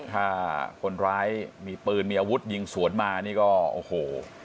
ถ้าคนร้ายมีปืนมีอาวุธยิงสวนมานี่ก็โอ้โห